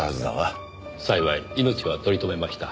幸い命は取り留めました。